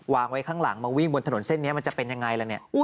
วางไว้ข้างหลังมาวิ่งบนถนนเส้นนี้มันจะเป็นอย่างไรแล้ว